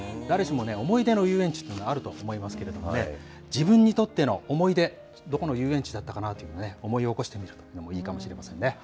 誰しも思い出の遊園地っていうのはあると思いますけれどもね、自分にとっての思い出、どこの遊園地だったのかなというのを、思い起こしてみるのもいいかもしれませんね。